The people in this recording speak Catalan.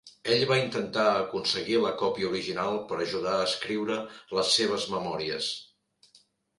Ell va intentar aconseguir la còpia original per ajudar a escriure les seves memòries.